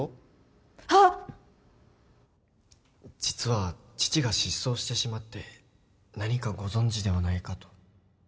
実は父が失踪してしまって何かご存じではないかと